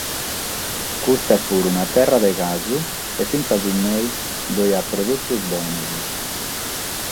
Custa est puru una terra de casu e fintzas inoghe ddoe at produtos bonos.